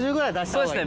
そうですね。